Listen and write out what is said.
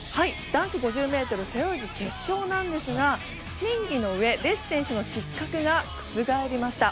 男子５０ｍ背泳ぎ決勝なんですが審議のうえレス選手の失格が覆りました。